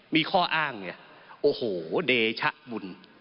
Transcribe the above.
มีข้ออ้างเนี่ยโอ้โหเดชะมุน